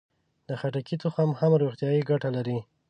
د خټکي تخم هم روغتیایي ګټه لري.